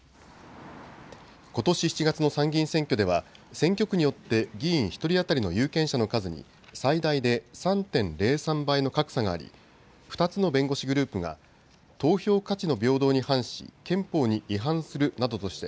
ことし７月参議院選挙では選挙区によって議員１人当たりの有権者の数に最大で３．０３倍の格差があり２つの弁護士グループが投票価値